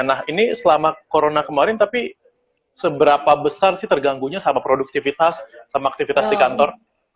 nah ini selama corona kemarin tapi seberapa besar sih terganggunya sama produktivitas sama aktivitas di kantor